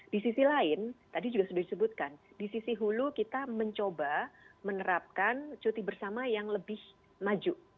di sisi lain tadi juga sudah disebutkan di sisi hulu kita mencoba menerapkan cuti bersama yang lebih maju